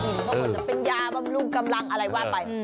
เขาบอกจะเป็นยาบำรุงกำลังอะไรว่าไป